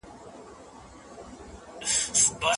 خاوند او ميرمن دي د اولادونو پيدا کولو لپاره تلوار وکړي.